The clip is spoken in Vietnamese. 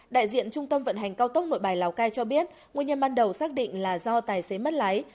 đại diện trung tâm vận hành cao tốc nội bài lào cai cho biết nguyên nhân ban đầu xác định là do tài xế mất lái